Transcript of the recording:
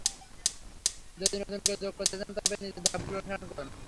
যদি নতুন করে যোগ করতে চান, তবে নিচের ধাপগুলো অনুসরণ করুন।